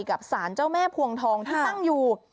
กับสารเจ้าแม่พวงทองที่ตั้งอยู่